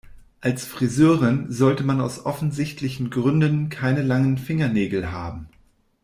Als Friseurin sollte man aus offensichtlichen Gründen keine langen Fingernägel haben.